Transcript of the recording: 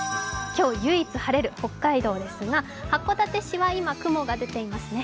今日唯一晴れる北海道ですが、函館市は今、雲が出ていますね。